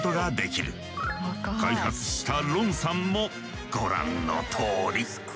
開発したロンさんもご覧のとおり。